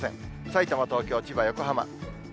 さいたま、東京、千葉、横浜。